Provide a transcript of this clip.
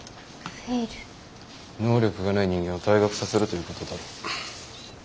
能力がない人間を退学させるということだろ。